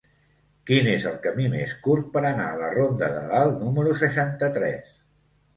Quin és el camí més curt per anar a la ronda de Dalt número seixanta-tres?